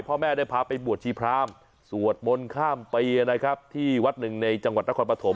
พ่อแม่ได้พาไปบวชชีพรามสวดมนต์ข้ามปีนะครับที่วัดหนึ่งในจังหวัดนครปฐม